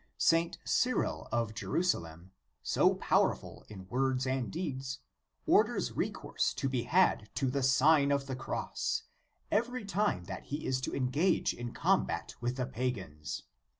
* St. Cyril of Jerusalem, so powerful in words and deeds, orders recourse to be had to the Sign of the Cross every time that he is to engage in combat with the pagans, and he * S.